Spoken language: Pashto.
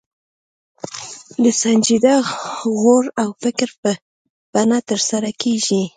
د سنجیده غور او فکر په بڼه ترسره کېږي.